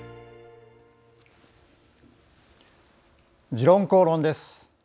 「時論公論」です。